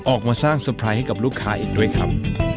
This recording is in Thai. ออกมาสร้างเซอร์ไพรส์ให้กับลูกค้าอีกด้วยครับ